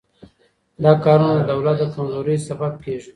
دا کارونه د دولت د کمزورۍ سبب کیږي.